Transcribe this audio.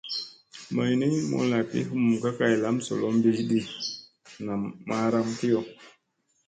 May ni, mulla gi humum ka kay lamzolomɓi ɗi, nam maaram kiyo.